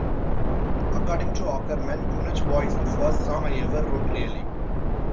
According to Aukerman: Eunuch Boy' is the first song I ever wrote, really.